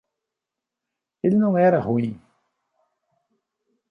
Ele não era ruim.